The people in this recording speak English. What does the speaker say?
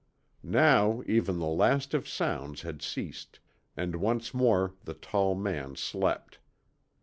Now even the last of sounds had ceased, and once more the tall man slept.